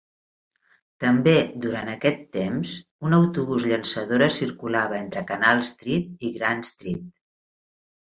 També durant aquest temps, un autobús llançadora circulava entre Canal Street i Grand Street.